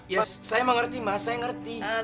ya saya mengerti mas saya ngerti